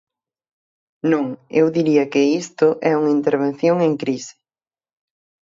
Non, eu diría que isto é unha intervención en crise.